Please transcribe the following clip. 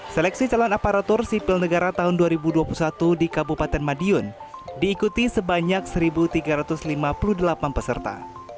seleksi calon aparatur sipil negara tahun dua ribu dua puluh satu di kabupaten madiun diikuti sebanyak satu tiga ratus lima puluh delapan peserta